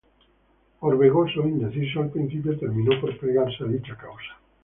Orbegoso, indeciso al principio, terminó por plegarse a dicha causa.